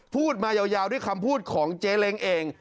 พูดมายาวด้วยคำพูดของเจ๊เล้งเอง